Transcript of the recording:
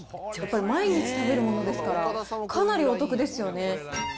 毎日食べるものですから、かなりお得ですよね。